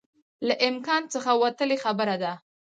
له امکان څخه وتلی خبره ده